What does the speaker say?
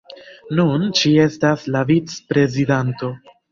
Nun ŝi estas la vic-prezidanto.